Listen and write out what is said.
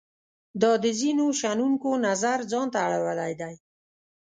دا د ځینو شنونکو نظر ځان ته اړولای دی.